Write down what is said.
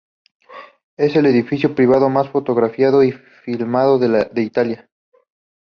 Es el edificio privado más fotografiado y filmado en Italia.